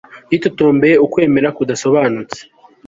Yitotombeye ukwemera kudasobanutse